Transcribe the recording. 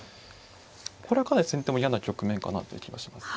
これはかなり先手も嫌な局面かなという気がします。